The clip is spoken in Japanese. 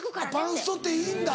パンストっていいんだ。